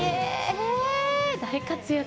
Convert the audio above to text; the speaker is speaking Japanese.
大活躍。